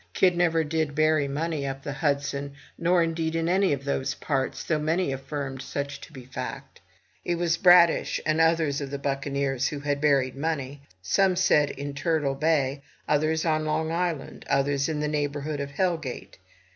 Kidd never did bury money up the Hudson, nor indeed in any of those parts, though many affirmed such to be the fact. It was Bradish and others of the buccaneers who had buried money; some said in Turtle Bay, others on Long Island, others in the neighborhood of Hell gate.